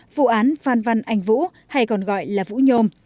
vụ án phan văn anh vũ hay còn gọi là vũ nhôm